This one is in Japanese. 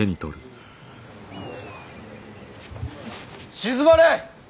静まれ！